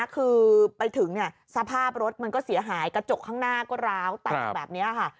คือไปถึงสภาพรถมันก็เสียหายกระจกข้างหน้าก็ร้าวแตกแบบนี้ค่ะ